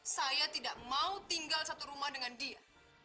saya tidak mau tinggal satu rumah dengan dia